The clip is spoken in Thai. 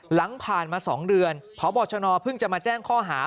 หลังผ่านมา๒เดือนพบชนเพิ่งจะมาแจ้งข้อหา